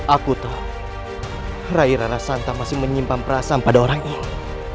aku tahu rai rarasanta masih menyimpan perasaan pada orang ini